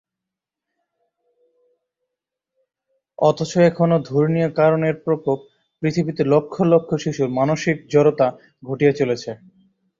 অথচ এখনো এই দূরণীয় কারণের প্রকোপ পৃথিবীতে লক্ষ লক্ষ শিশুর মানসিক জড়তা ঘটিয়ে চলেছে।